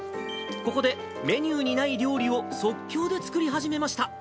ここでメニューにない料理を即興で作り始めました。